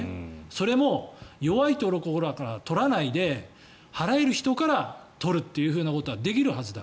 それも弱いところから取らないで払える人から取るということはできるはずだ。